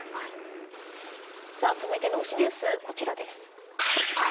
続いての推しニュースこちらです。